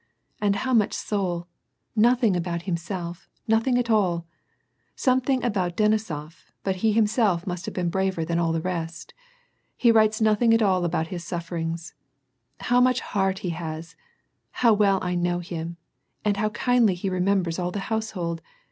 And how much soul ! Nothing al)out himself, nothing at all ! Something about that Denisof, but he himself must have been braver than all the rest ! He writes nothing at all about his sufferings ! How much heart he has ! How well I know him ! And how kindly he remem bers all the household